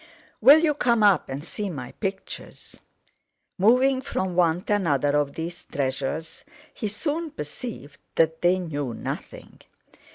Will you come up and see my pictures?" Moving from one to another of these treasures, he soon perceived that they knew nothing.